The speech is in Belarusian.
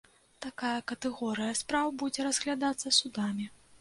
Такая катэгорыя спраў будзе разглядацца судамі.